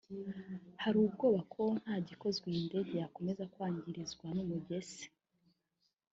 Hari ubwoba ko nta gikozwe iyi ndege yakomeza kwangizwa n’umugese